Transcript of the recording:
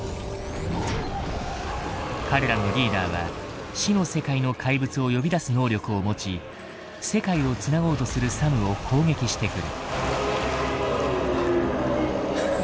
彼らのリーダーは死の世界の怪物を呼び出す能力を持ち世界を繋ごうとするサムを攻撃してくる。